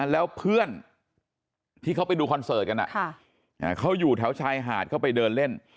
แล้วเพื่อนที่เขาไปดูคอนเสิร์ตกันเขาอยู่แถวชายหาดเข้าไปเดินเล่น